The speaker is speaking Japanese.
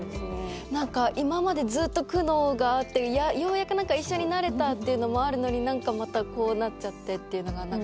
なんか今までずっと苦悩があってようやくなんか一緒になれたっていうのもあるのになんかまたこうなっちゃってっていうのがなんか。